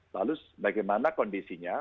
lalu bagaimana kondisinya